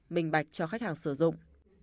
bình bạch cho khách hàng sử dụng